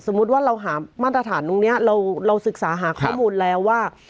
ว่าเราหามาตรฐานตรงนี้เราศึกษาหาข้อมูลแล้วว่า